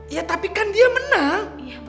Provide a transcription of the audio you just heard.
ya tapi kan dia menang